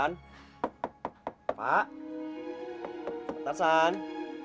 mereka udah pada pergi